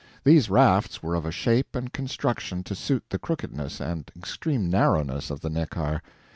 These rafts were of a shape and construction to suit the crookedness and extreme narrowness of the Neckar.